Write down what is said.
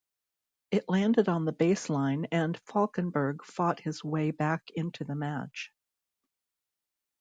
It landed on the baseline and Falkenburg fought his way back into the match.